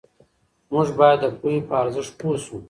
موږ باید د پوهې په ارزښت پوه سو.